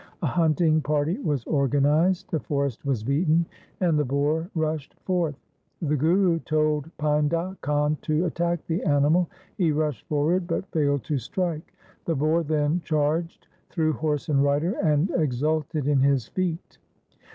A hunting party was organized, the forest was beaten, and the boar rushed forth. The Guru told Painda Khan to attack the animal. He rushed forward but failed to strike. The boar then charged, threw horse and rider, and exulted in his feat.